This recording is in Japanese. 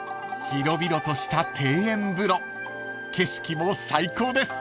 ［広々とした庭園風呂景色も最高です］